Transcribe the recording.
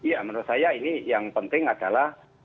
ya menurut saya ini yang penting adalah